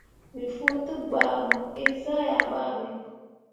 Me fuu degba mo eezah yah babe.